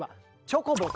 チョコボ。